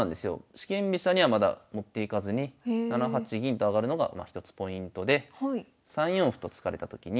四間飛車にはまだ持っていかずに７八銀と上がるのが一つポイントで３四歩と突かれたときに。